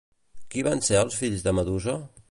Qui van ser els fills de Medusa?